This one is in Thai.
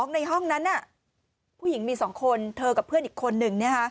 ในห้องนั้นผู้หญิงมี๒คนเธอกับเพื่อนอีกคนนึง